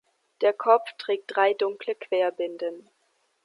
Der Kopf trägt drei dunkle Querbinden.